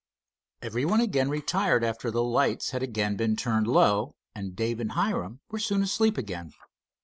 Everyone again retired after the lights had again been turned low, and Dave and Hiram were soon asleep again.